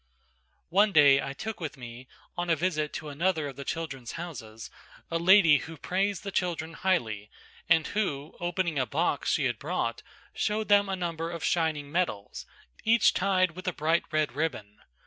One day I took with me on a visit to another of the "Children's Houses" a lady who praised the children highly and who, opening a box she had brought, showed them a number of shining medals, each tied with a bright red ribbon.